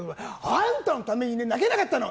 あんたのせいで泣けなかったの。